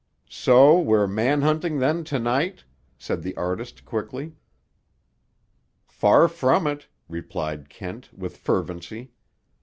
'" "So, we're man hunting, then, to night," said the artist quickly. "Far from it," replied Kent, with fervency.